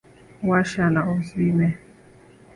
Washa na uzime.